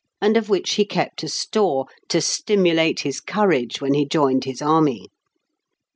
and of which he kept a store, to stimulate his courage when he joined his army.